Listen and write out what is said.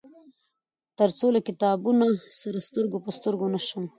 تر څو له کتابونه سره سترګو په سترګو نشم.